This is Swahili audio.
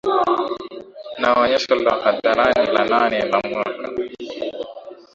Na onyesho la hadharani la nane la mwaka